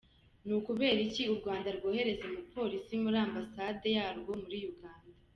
Ni ukubera iki u Rwanda rwohereza umupolisi muri Ambasade yarwo muri Uganda?